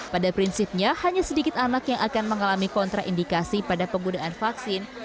pada prinsipnya hanya sedikit anak yang akan mengalami kontraindikasi pada penggunaan vaksin